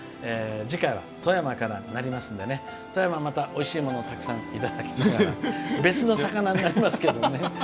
次回は富山からになりますので富山の方、おいしいものをたくさんいただけたら別の魚になりますけど。